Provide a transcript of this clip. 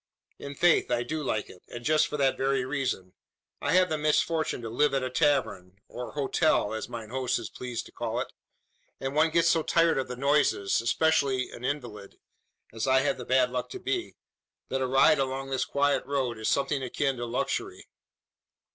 "In faith I do like it; and just for that very reason. I have the misfortune to live at a tavern, or `hotel,' as mine host is pleased to call it; and one gets so tired of the noises especially an invalid, as I have the bad luck to be that a ride along this quiet road is something akin to luxury.